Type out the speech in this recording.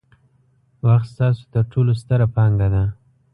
وخت ستاسو ترټولو ستره پانګه ده.